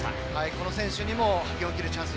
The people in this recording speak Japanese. この選手も泳ぎきるチャンス